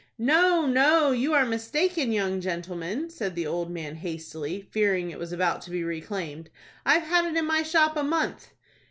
"No, no, you are mistaken, young gentleman," said the old man, hastily, fearing it was about to be reclaimed. "I've had it in my shop a month."